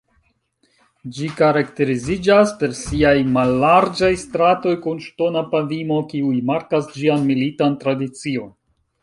Ĝi karakteriziĝas per siaj mallarĝaj stratoj kun ŝtona pavimo, kiuj markas ĝian militan tradicion.